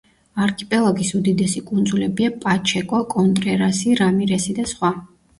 არქიპელაგის უდიდესი კუნძულებია პაჩეკო, კონტრერასი, რამირესი და სხვა.